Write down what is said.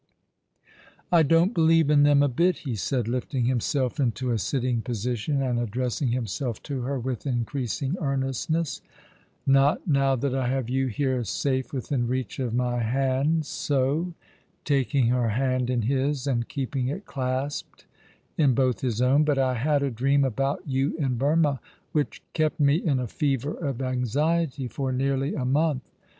"I don't believe in them a bit," he said, lifting himself into a sitting position, and addressing himself to her with increasing earnestness, "not now that I have you here safe within reach of my hand — so," taking her hand in his, and keeping it clasped in both his own ;" but I had a dream about you in Burmah, which kept me in a fever .of anxiety for nearly a month.